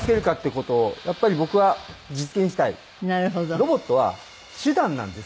ロボットは手段なんですね。